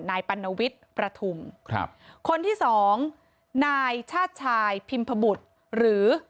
ปัณวิทย์ประทุมครับคนที่สองนายชาติชายพิมพบุตรหรือ